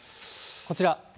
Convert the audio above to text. こちら。